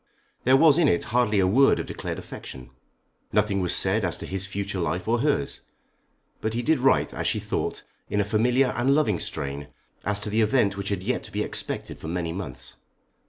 There was in it hardly a word of declared affection. Nothing was said as to his future life or hers; but he did write, as she thought, in a familiar and loving strain as to the event which had yet to be expected for many months.